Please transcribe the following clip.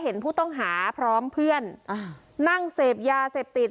เห็นผู้ต้องหาพร้อมเพื่อนนั่งเสพยาเสพติด